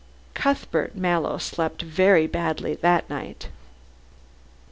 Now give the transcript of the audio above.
Cuthbert Mallow slept very badly that night.